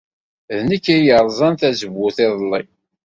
D nekk ay yerẓan tazewwut iḍelli.